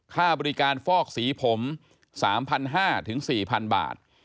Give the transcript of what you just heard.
ค่าบริการฟอกสีผมสามพันห้าถึงสี่พันบาท